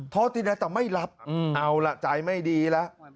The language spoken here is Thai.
โทรติดนะแต่ไม่รับเอาละใจไม่ดีแล้ว